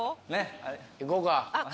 行こうか。